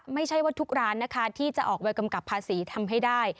ไม่ใช่ว่าทุกร้านนะคะที่จะออกไปกำกับภาษีทำให้ได้